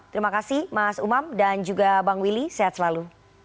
terima kasih mas umam dan juga bang willy sehat selalu